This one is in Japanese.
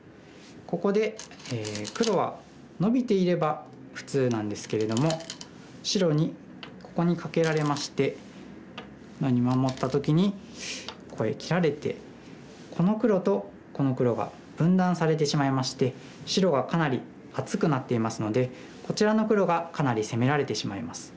ここで黒はノビていれば普通なんですけれども白にここにカケられましてこのように守った時にここへ切られてこの黒とこの黒が分断されてしまいまして白がかなり厚くなっていますのでこちらの黒がかなり攻められてしまいます。